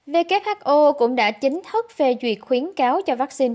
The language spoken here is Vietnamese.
who cũng đã chính thức phê duyệt khuyến cáo cho vaccine